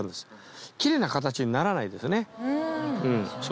キレイな形にならないですよね。